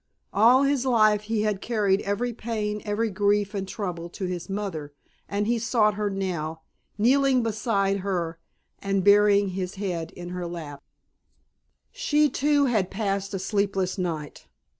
All his life he had carried every pain, every grief and trouble to his mother, and he sought her now, kneeling beside her and burying his head in her lap. She, too, had passed a sleepless night.